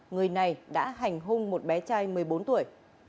người này đã hành hung một bé trai một mươi bốn tuổi